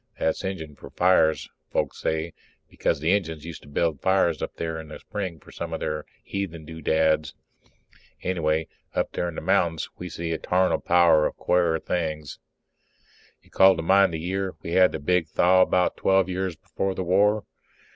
That's Injun for fires, folks say, because the Injuns used to build fires up there in the spring for some of their heathen doodads. Anyhow, up there in the mountains we see a tarnal power of quare things. You call to mind the year we had the big thaw, about twelve years before the war?